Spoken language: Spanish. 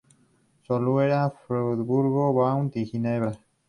Soleura, Friburgo, Vaud y Ginebra.